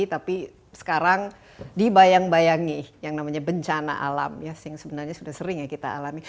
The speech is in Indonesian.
tapi sekarang dibayang bayangi yang namanya bencana alam yang sebenarnya sudah sering ya kita alami